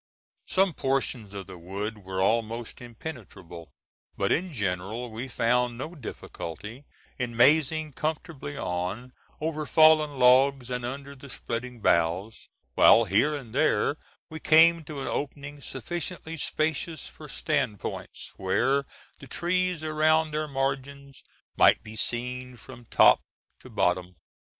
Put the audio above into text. Some portions of the wood were almost impenetrable, but in general we found no difficulty in mazing comfortably on over fallen logs and under the spreading boughs, while here and there we came to an opening sufficiently spacious for standpoints, where the trees around their margins might be seen from top to bottom.